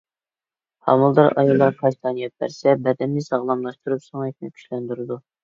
ھامىلىدار ئاياللار كاشتان يەپ بەرسە بەدەننى ساغلاملاشتۇرۇپ سۆڭەكنى كۈچلەندۈرىدۇ.